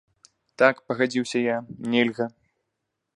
Так, пагадзіўся я, нельга.